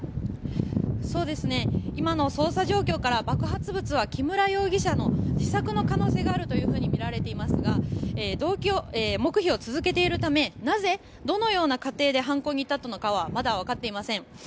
今の捜査状況から爆発物は木村容疑者の自作の可能性があるとみられていますが黙秘を続けているためなぜ、どのような過程で犯行に至ったのかはまだわかっていません。